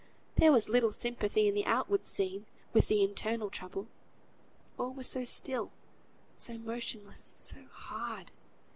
There was little sympathy in the outward scene, with the internal trouble. All was so still, so motionless, so hard!